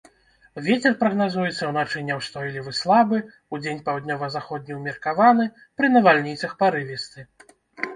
Вецер прагназуецца ўначы няўстойлівы слабы, удзень паўднёва-заходні ўмеркаваны, пры навальніцах парывісты.